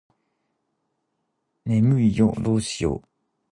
眠いよどうしよう